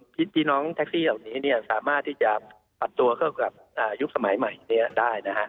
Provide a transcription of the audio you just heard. พี่น้องแท็กซี่เหล่านี้สามารถที่จะปรับตัวเข้ากับยุคสมัยใหม่นี้ได้นะฮะ